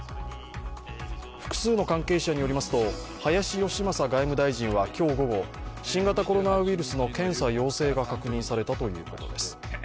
複数の関係者によりますと林芳正外務大臣は今日午後新型コロナウイルスの検査陽性が確認されたということです。